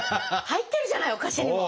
入ってるじゃないお菓子にも。